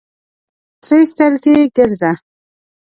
سرې سترګې ګرځه.